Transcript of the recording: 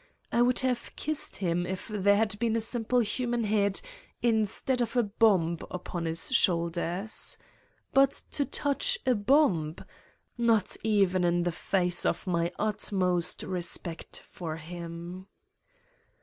I would have kissed him if there had been a simple human head instead of a bomb upon his shoulders. But to touch a bomb ! Not even in the face of my utmost respect for him!